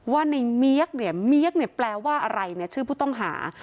ว่าในเมียกเนี่ยเมียกเนี่ยแปลว่าอะไรเนี่ยชื่อผู้ต้องหา